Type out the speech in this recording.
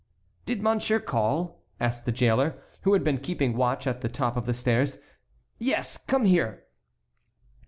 "Did monsieur call?" asked the jailer, who had been keeping watch at the top of the stairs. "Yes; come here."